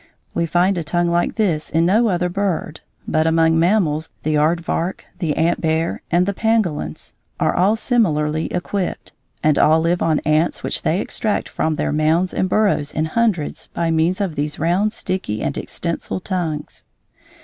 We find a tongue like this in no other bird, but among mammals the aard vark, the ant bear, and the pangolins are all similarly equipped, and all live on ants which they extract from their mounds and burrows in hundreds by means of these round, sticky, and extensile tongues.